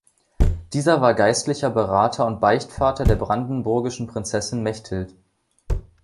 Dieser war geistlicher Berater und Beichtvater der brandenburgischen Prinzessin Mechthild.